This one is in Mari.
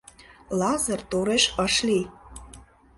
Лазыр тореш ыш лий.